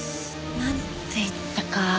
なんていったか。